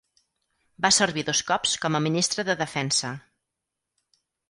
Va servir dos cops com a Ministre de Defensa.